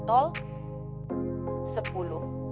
tiga belas kendaraan angkutan barang